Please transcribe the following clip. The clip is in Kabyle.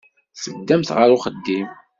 Teddamt ɣer uxeddim.